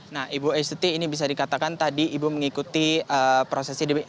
nah ibu estuti ini bisa dikatakan tadi ibu mengikuti prosesnya